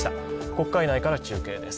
国会内から中継です。